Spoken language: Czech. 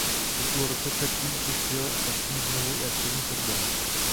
Po půl roce však tým opustil a s tím znovu i aktivní fotbal.